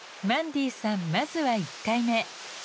マンディさんまずは１回目。